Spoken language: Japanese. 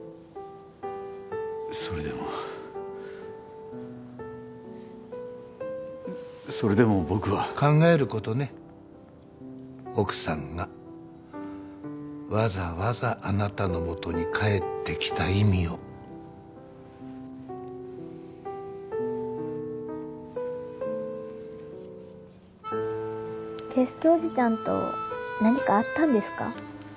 それでもそれでも僕は考えることね奥さんがわざわざあなたのもとに帰ってきた意味を圭介おじちゃんと何かあったんですか？